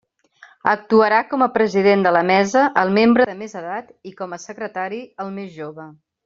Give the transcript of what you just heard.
Actuarà com a president de la mesa el membre de més edat, i com a secretari, el més jove.